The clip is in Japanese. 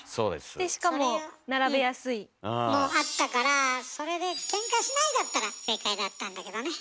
でしかも「並べやすい」。もあったからそれで「ケンカしない」だったら正解だったんだけどね。